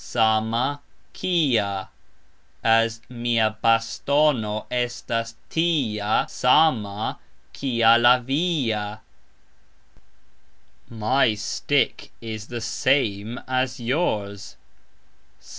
"sama ... kia", as Mia bastono estas "tia sama, kia" la via, My stick is "the same as" yours.